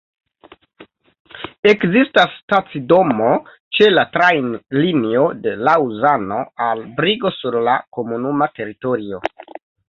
Ekzistas stacidomo ĉe la trajnlinio de Laŭzano al Brigo sur la komunuma teritorio.